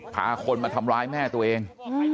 พาคนมาทำร้ายแม่ตัวเอง